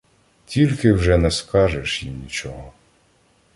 Тільки вже не скажеш їм нічого.